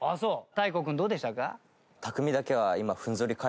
大光くんどうでしたか？